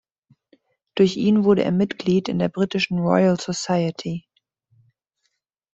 Durch ihn wurde er Mitglied in der britischen Royal Society.